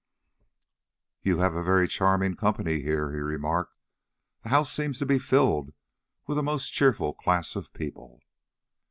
"You have a very charming company here," he remarked; "the house seems to be filled with a most cheerful class of people."